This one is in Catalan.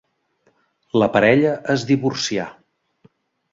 La parella es divorcià.